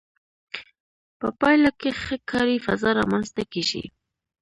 په پایله کې ښه کاري فضا رامنځته کیږي.